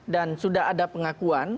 dan sudah ada pengakuan